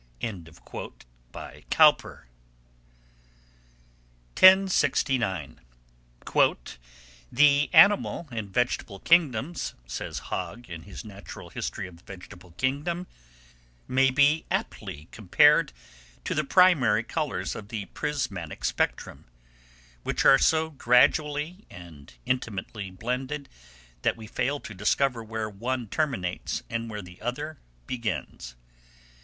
COWPER. 1069. "THE ANIMAL AND VEGETABLE KINGDOMS," says Hogg, in his Natural History of the Vegetable Kingdom, "may be aptly compared to the primary colours of the prismatic spectrum, which are so gradually and intimately blended, that we fail to discover where the one terminates and where the other begins.